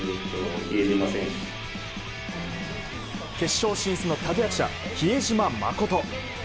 決勝進出の立役者、比江島慎。